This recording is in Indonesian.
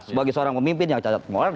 sebagai seorang pemimpin yang cacat moral